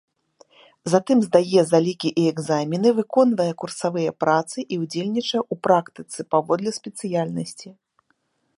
Затым здае залікі і экзамены, выконвае курсавыя працы і ўдзельнічае ў практыцы паводле спецыяльнасці.